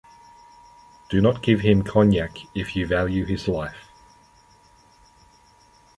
Do not give him cognac if you value his life.